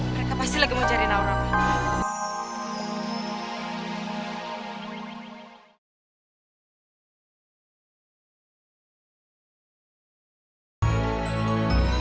mereka pasti lagi mau cari naura